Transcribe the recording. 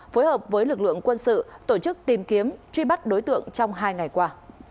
phối hợp với lực lượng quân sự tổ chức tìm kiếm truy bắt đối tượng trong hai ngày qua